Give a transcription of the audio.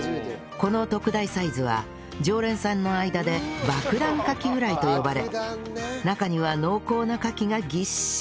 この特大サイズは常連さんの間で爆弾カキフライと呼ばれ中には濃厚なカキがぎっしり